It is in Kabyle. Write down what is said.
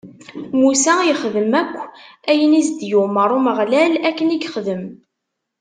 Musa yexdem ayen akk i s-d-yumeṛ Umeɣlal, akken i yexdem.